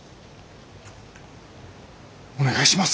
お願いします。